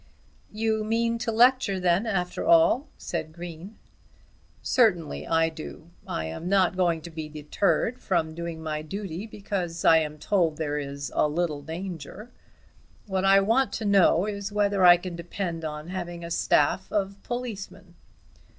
"You mean to lecture then after all," said Green. "Certainly I do; I am not going to be deterred from doing my duty because I am told there is a little danger. What I want to know is whether I can depend on having a staff of policemen."